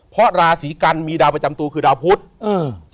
เพราะราศีกันมีดาวประจำตัวคือดาวพุทธอืม